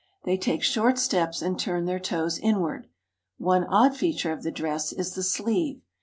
They take short steps and turn their toes inward. One odd feature of the dress is the sleeve.